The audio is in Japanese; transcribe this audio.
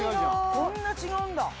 こんな違うんだ！